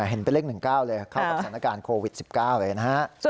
เห็นเป็นเลข๑๙เลยเข้ากับสถานการณ์โควิด๑๙เลยนะฮะ